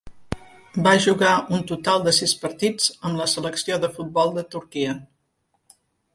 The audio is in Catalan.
Va jugar un total de sis partits amb la selecció de futbol de Turquia.